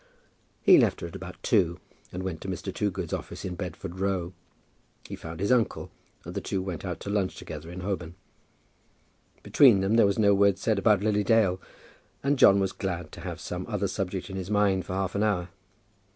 He left her at about two, and went to Mr. Toogood's office in Bedford Row. He found his uncle, and the two went out to lunch together in Holborn. Between them there was no word said about Lily Dale, and John was glad to have some other subject in his mind for half an hour.